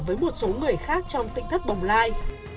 với một số người khác trong tỉnh thất bồng lai